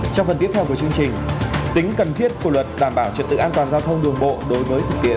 trong phần tiếp theo của chương trình tính cần thiết của luật đảm bảo trật tự an toàn giao thông đường bộ đối với thực tiễn